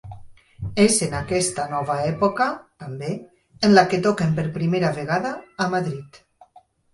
És en aquesta nova època, també, en la que toquen per primera vegada a Madrid.